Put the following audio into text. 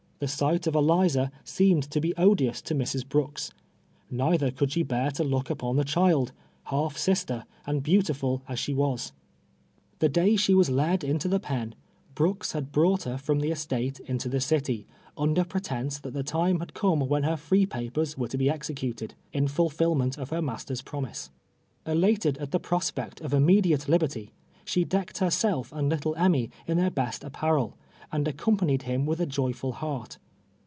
Tlie sight of Eliza seemed to be odi( »ns to Mrs. Brooks ; neither could slie bear to iook npou tbc cluld, balf sister, a;id lieantiful as she was ! Tlic day slie was led into tlie pen, Brooks had bronght her from the estate into the city, nnder pre tence that the time had come when her free papers were to be executed, in fuliillment of lier master's, promise. Elated at the prospect of immediate liber ty, she decked herself and little Einmy in their best ap})arel, and accompanied him vrith a joyful heart.